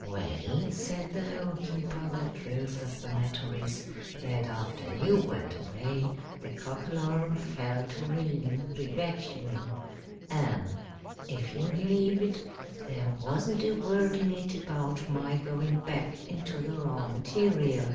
"Well," said the Hole keeper, "the truth of the matter is, that after you went away the Cockalorum fell to reading the Vacuum; and, if you'll believe it, there wasn't a word in it about my going back into the raw material."